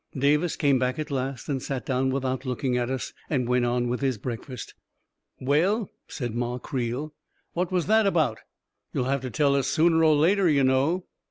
. Davis came back at last, and sat down without looking at us, and went on with his breakfast. 11 Well," said Ma Creel, " what was it about? You'll have to tell us sooner or later, you know